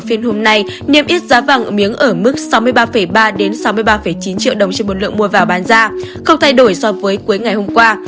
phiên hôm nay niêm yết giá vàng ở miếng ở mức sáu mươi ba ba sáu mươi ba chín triệu đồng trên một lượng mua vào bán ra không thay đổi so với cuối ngày hôm qua